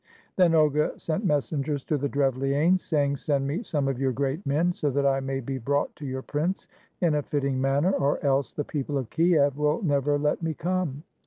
Then Olga sent messengers to the DrevHanes, saying, "Send me some of your great men, so that I may be brought to your prince in a fitting manner, or else the people of Kiev will never let me come."